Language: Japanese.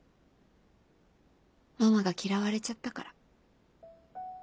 ママが嫌われちゃったから。